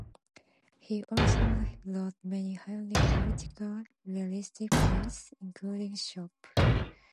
He also wrote many highly political, realistic plays, including Shop.